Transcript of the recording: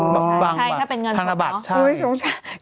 อ๋อใช่ถ้าเป็นเงินสองเหรอบังบังบังทางละบัตรใช่